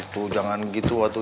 tuh jangan gitu